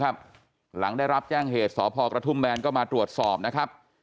หลังได้รับแจ้งเหตุสพกระทุ่มแบนก็มาตรวจสอบนะครับ